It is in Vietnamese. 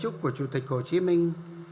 đạo đức của chủ tịch hồ chí minh